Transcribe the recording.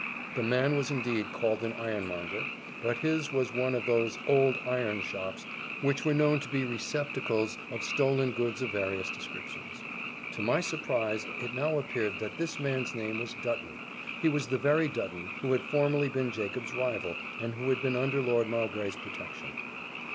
The man was indeed called an ironmonger, but his was one of those old iron shops which were known to be receptacles of stolen goods of various descriptions. To my surprise, it now appeared that this man's name was Dutton: he was the very Dutton who had formerly been Jacob's rival, and who had been under Lord Mowbray's protection.